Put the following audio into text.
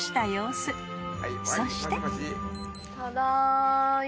［そして］